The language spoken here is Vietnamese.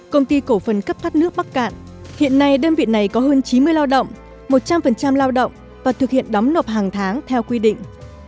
công ty cổ phần cấp thoát nước bắc cạn hiện nay đơn vị này có hơn chín mươi lao động một trăm linh lao động và thực hiện đóng nộp hàng tháng theo quy định